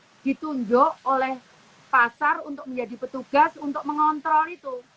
jadi itu dianggap juga oleh pasar untuk menjadi petugas untuk mengontrol itu